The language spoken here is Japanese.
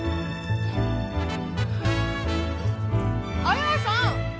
あやさん